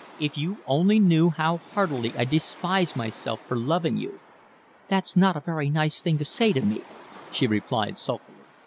"If you only knew how heartily I despise myself for loving you!" "That's not a very nice thing to say to me," she replied sulkily.